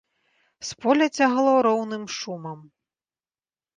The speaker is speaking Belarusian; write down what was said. З поля цягло роўным шумам.